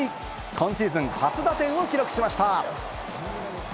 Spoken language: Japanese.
今シーズン初打点を記録しました。